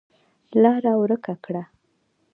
لاره ورکه کړه.